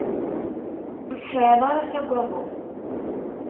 Ur tesɛiḍ ara tagdeḍ.